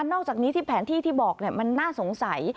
อกจากนี้ที่แผนที่ที่บอกมันน่าสงสัย